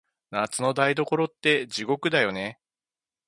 夏の台所って、地獄だよね。